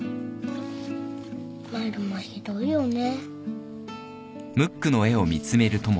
マルモひどいよね。